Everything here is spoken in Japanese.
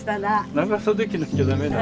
長袖着なきゃ駄目だ。